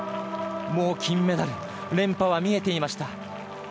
もう金メダル連覇は見えていました。